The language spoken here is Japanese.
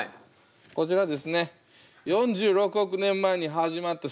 こちらですね。